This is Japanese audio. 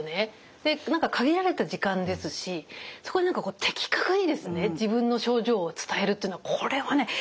で何か限られた時間ですしそこで的確にですね自分の症状を伝えるっていうのはこれはね